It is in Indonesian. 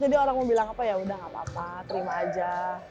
jadi orang mau bilang apa yaudah gak apa apa terima aja